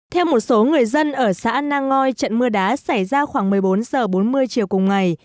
theo một số người dân ở xã nang ngoi trận mưa đá xảy ra khoảng một mươi bốn h bốn mươi chiều cùng ngày